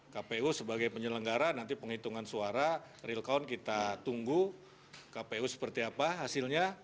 kpu sebagai penyelenggara nanti penghitungan suara real count kita tunggu kpu seperti apa hasilnya